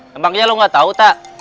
makanya lo gak tau tak